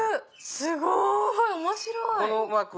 すごい面白い。